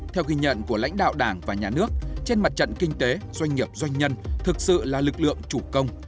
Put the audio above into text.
theo ghi nhận của lãnh đạo đảng và nhà nước trên mặt trận kinh tế doanh nghiệp doanh nhân thực sự là lực lượng chủ công